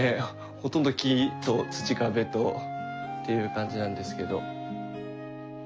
ほとんど木と土壁とっていう感じなんですけど。